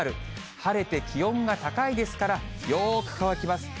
晴れて気温が高いですから、よく乾きます。